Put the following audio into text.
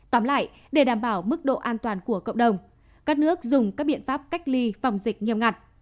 tóm lại để đảm bảo mức độ an toàn của cộng đồng các nước dùng các biện pháp cách ly phòng dịch nghiêm ngặt